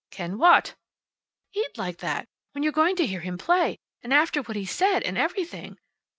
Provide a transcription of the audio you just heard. "Can what?" "Eat like that. When you're going to hear him play. And after what he said, and everything."